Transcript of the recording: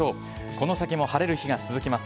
この先も晴れる日が続きます。